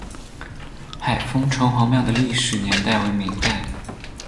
海丰城隍庙的历史年代为明代。